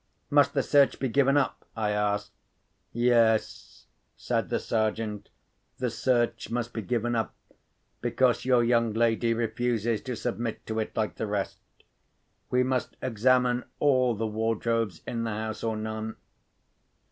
"Must the search be given up?" I asked. "Yes," said the Sergeant, "the search must be given up, because your young lady refuses to submit to it like the rest. We must examine all the wardrobes in the house or none.